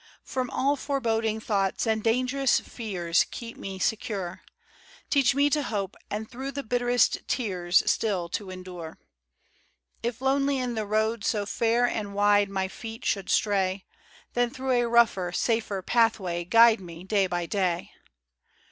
From all foreboding thoughts and dangerous fears Keep me secure; Teach me to hope, and through the bitterest tears Still to endure. If lonely in the road so fair and wide My feet should stray, Then through a rougher, safer pathway guide Me day by day.